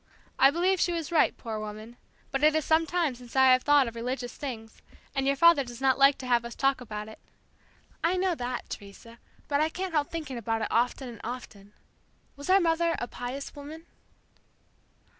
I believe she was right, poor woman, but it is sometime since I have thought of religious things, and your father does not like to have us talk about it." "I know that, Teresa, but I can't help thinking about it often and often. Was our mother a 'pious woman?'"